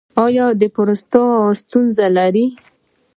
ایا د پروستات ستونزه لرئ؟